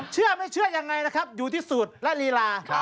เชื่อไม่เชื่อยังไงนะครับอยู่ที่สูตรและลีลา